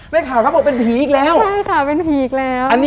ได้ข่าวครับว่าเป็นผีอีกแล้ว